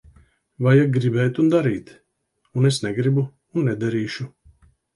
Vajag gribēt un darīt. Un es negribu un nedarīšu.